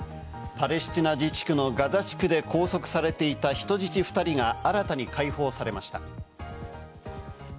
パレスチナ自治区のガザ地区で拘束されていた人質２人が新たに解放されました。